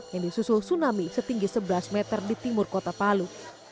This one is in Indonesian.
yang disusul tsunami setinggi sebelas meter di timur kota palu